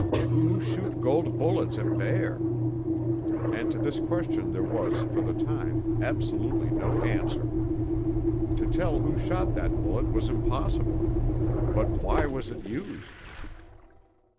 "Who shoot gold bullets at bear?" And to this question there was, for the time, absolutely no answer. To tell who shot that bullet was impossible. But why was it used?